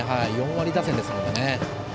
４割打線ですので。